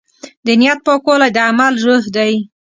د نیت پاکوالی د عمل روح دی.